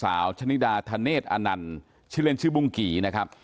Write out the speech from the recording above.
ชนิดาธเนธอนันต์ชื่อเล่นชื่อบุ้งกี่นะครับ